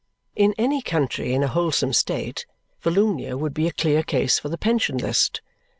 In any country in a wholesome state, Volumnia would be a clear case for the pension list.